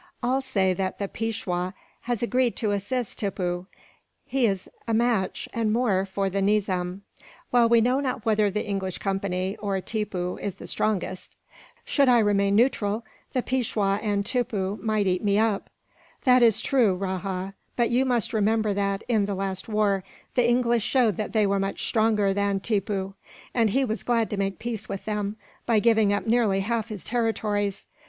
All say that the Peishwa has agreed to assist Tippoo. He is a match, and more, for the Nizam; while we know not whether the English company, or Tippoo, is the strongest. Should I remain neutral, the Peishwa and Tippoo might eat me up." "That is true, Rajah; but you must remember that, in the last war, the English showed that they were much stronger than Tippoo; and he was glad to make peace with them, by giving up nearly half his territories.